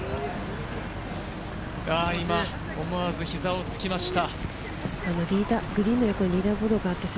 今、思わず膝をつきました。